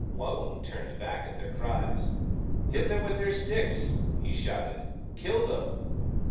Waung turned back at their cries. " Hit them with your sticks !" he shouted. " Kill them."